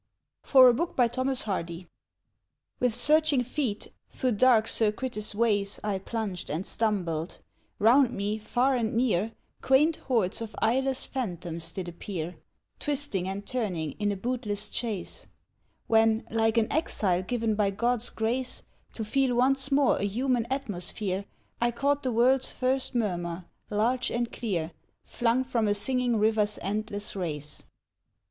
For a Book by Thomas Hardy With searching feet, through dark circuitous ways, I plunged and stumbled; round me, far and near, Quaint hordes of eyeless phantoms did appear, Twisting and turning in a bootless chase, When, like an exile given by God's grace To feel once more a human atmosphere, I caught the world's first murmur, large and clear, Flung from a singing river's endless race.